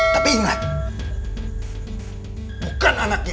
tapi ingat bukan anaknya